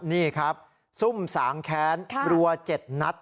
นี่ครับซุ่มสางแค้นรัว๗นัด